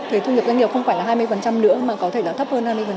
thuế thu nhập doanh nghiệp không phải là hai mươi nữa mà có thể là thấp hơn hai mươi